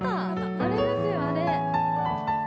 あれですよ、あれ！